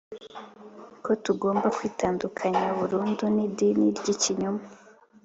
ko tugomba kwitandukanya burundu n idini ry ikinyoma